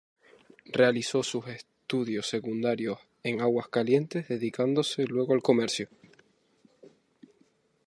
Realizó sus estudios secundarios en Aguascalientes, dedicándose luego al comercio.